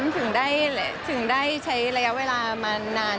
ถึงได้ใช้ระยะเวลามานาน